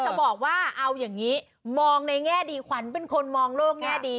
จะบอกว่าเอาอย่างนี้มองในแง่ดีขวัญเป็นคนมองโลกแง่ดี